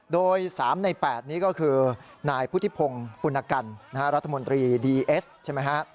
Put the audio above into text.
โดย๓ใน๘นี้ก็คือนายพุทธิพงศ์ปุณกันรัฐมนตรีดีเอสใช่ไหมฮะ